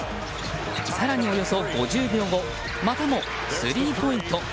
更に、およそ５０秒後またもスリーポイント。